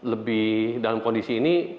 lebih dalam kondisi ini